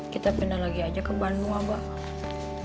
kita pindah lagi aja ke bandung abang